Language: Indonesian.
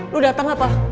lo dateng apa